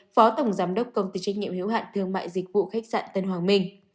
phó tổng giám đốc công ty trách nhiệm hiếu hạn thương mại dịch vụ khách sạn tân hoàng minh